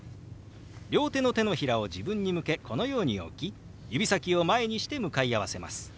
両手の手のひらを自分に向けこのように置き指先を前にして向かい合わせます。